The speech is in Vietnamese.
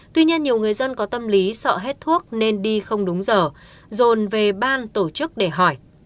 tuy nhiên nhiều người dân có tâm lý sợ hết thuốc nên đi không đúng giờ dồn về ban tổ chức để hỏi